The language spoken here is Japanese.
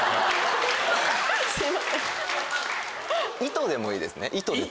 糸でもいいですね。